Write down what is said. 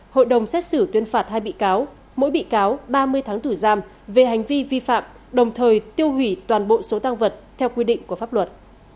hội đồng xét xử tuyên phạt hai bị cáo mỗi bị cáo ba mươi tháng tù giam về hành vi vi phạm đồng thời tiêu hủy toàn bộ số tăng vật theo quy định của pháp luật